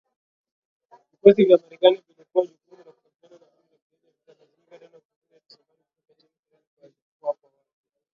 Vikosi vya Marekani vilivyopewa jukumu la kukabiliana na kundi la kigaidi havitalazimika tena kusafiri hadi Somalia kutoka nchi jirani kama ilivyokuwa hapo awali.